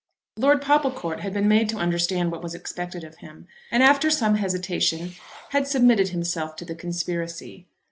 Lord Popplecourt had been made to understand what was expected of him, and after some hesitation had submitted himself to the conspiracy.